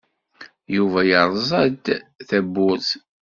Yuba yerẓa-d tawwurt.